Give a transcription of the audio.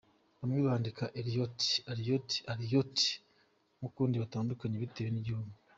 Bamwe bandika Eliot, Eliott, Elliott n’ukundi gutandukanye bitewe n’igihugu.